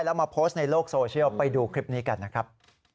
แล้วมาโพสต์ในโลกโซเชียลไปดูคลิปนี้กันนะครับ